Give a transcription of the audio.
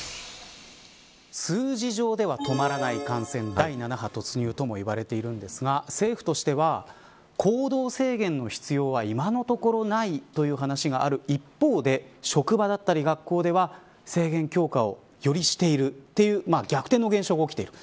数字上では止まらない感染第７波ともいわれていますが政府としては行動制限の必要は今のところないという話がある一方で職場だったり学校では制限強化をよりしているという逆転の現象が起きている。